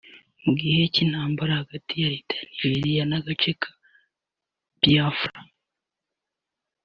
Mu gihe cy’intambara hagati ya Leta ya Nigeriya n’agace ka Biafra